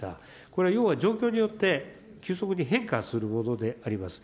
これは要は状況によって、急速に変化するものであります。